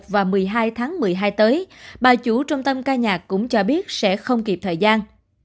vào một mươi hai tháng một mươi hai tới bà chủ trung tâm ca nhạc cũng cho biết sẽ không kịp thời gian